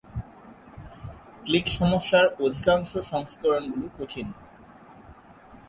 Click সমস্যার অধিকাংশ সংস্করণগুলো কঠিন।